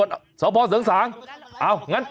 จอบแล้วไม่ต้องมาไลค์นะ